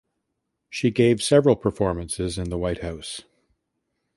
She gave several performances in The White House.